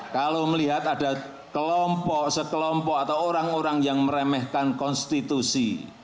kalau melihat ada kelompok sekelompok atau orang orang yang meremehkan konstitusi